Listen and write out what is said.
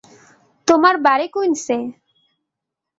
তোমার বাড়ি কুইনসে।